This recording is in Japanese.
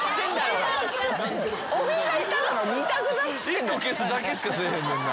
１個消すだけしかせえへんもんな。